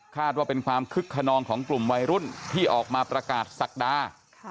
ว่าเป็นความคึกขนองของกลุ่มวัยรุ่นที่ออกมาประกาศศักดา